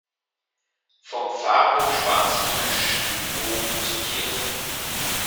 Vom Pfarrhof spannt sich ein Schwibbogen zur Kirche.